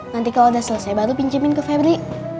nanti kalau udah selesai baru pinjemin ke febri